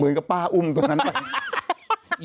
เหมือนกับป้าอุ้มตัวนั้นไป